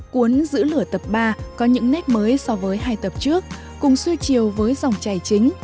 cuốn giữ lửa tập ba có những nét mới so với hai tập trước cùng suy chiều với dòng chảy chính